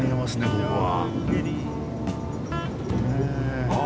ここは。